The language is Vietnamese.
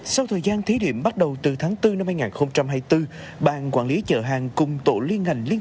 sau thời gian thí điểm bắt đầu từ tháng bốn năm hai nghìn hai mươi bốn bàn quản lý chợ hàng cùng tổ liên ngành liên